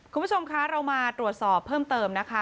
คุณผู้ชมคะเรามาตรวจสอบเพิ่มเติมนะคะ